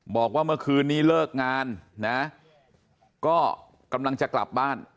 บอกว่าเมื่อคืนนี้เลิกงานนะก็กำลังจะกลับบ้าน